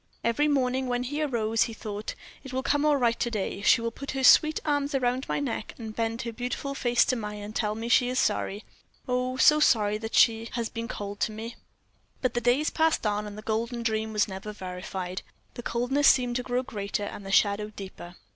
Every morning when he arose he thought, "It will come all right to day; she will put her sweet arms around my neck, and bend her beautiful face to mine, and tell me she is sorry oh! so sorry, that she has been cold to me." But the days passed on, and that golden dream was never verified; the coldness seemed to grow greater, and the shadow deeper.